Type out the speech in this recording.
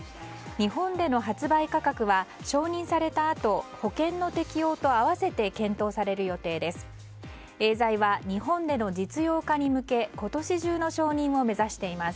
日本での発売価格は承認されたあと保険の適用と併せて検討される予定です。